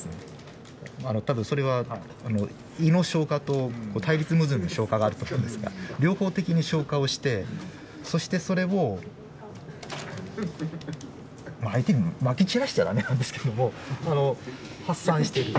あの多分それはあの胃の消化と対立矛盾の消化があると思うんですが両方的に消化をしてそしてそれを相手にまき散らしちゃダメなんですけどもあの発散してる。